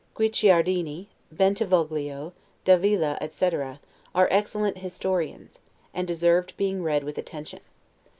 Guicciardini, Bentivoglio, Davila, etc., are excellent historians, and deserved being read with attention.